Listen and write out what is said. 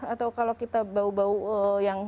atau kalau kita bau bau yang